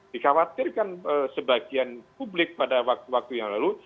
dikhawatirkan sebagian publik pada waktu itu